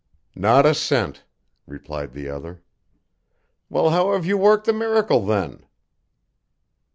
"Not a cent," replied the other. "Well, how have you worked the miracle, then?"